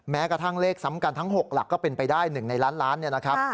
แม้กระทั่งเลขซ้ำกันทั้ง๖หลักก็เป็นไปได้๑ในล้านล้านเนี่ยนะครับ